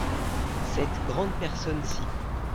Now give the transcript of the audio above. Cette grande personne-ci.